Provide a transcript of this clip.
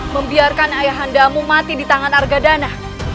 membiarkan ayah anda mati di tangan argadana